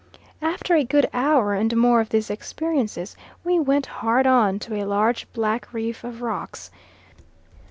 After a good hour and more of these experiences, we went hard on to a large black reef of rocks.